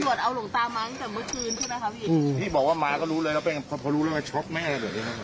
พี่บอกว่ามาก็รู้เลยแล้วเป็นพอรู้เรื่องอะไรช็อปแม่อะไรเลยนะพี่